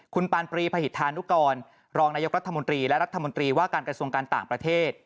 คุณปานปรีพหิตธานุกรรองนายกรัฐมนตรีและรัฐมนตรีว่าการกระทรวงการต่างประเทศ